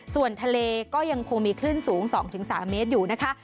ส่วนทะเลก็ยังคงมีคลื่นสูง๒๓เมตรอยู่นะคะ